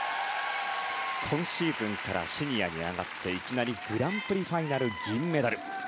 今シーズンからシニアに上がっていきなりグランプリファイナル銀メダル。